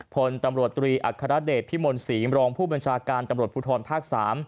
พลตำรวจตรีอัครเดชพิมลศรีมรองผู้บัญชาการตำรวจภูทรภาค๓